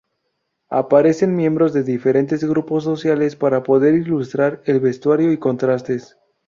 Aparecen miembros de diferentes grupos sociales para poder ilustrar el vestuario y contrastes.